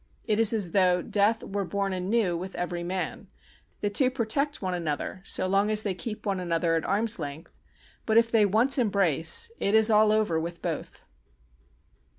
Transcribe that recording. It is as though Death were born anew with every man; the two protect one another so long as they keep one another at arm's length, but if they once embrace it is all over with both.